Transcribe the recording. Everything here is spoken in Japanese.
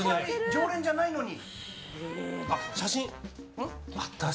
常連じゃないのに！